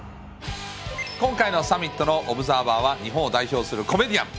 今回のサミットのオブザーバーは日本を代表するコメディアン